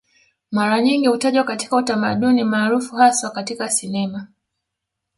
Mara nyingi hutajwa katika utamaduni maarufu haswa katika sinema